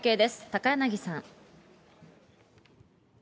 高柳さん。